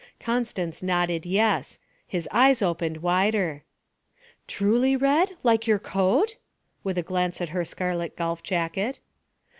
Constance nodded yes. His eyes opened wider. 'Truly red like your coat?' with a glance at her scarlet golf jacket.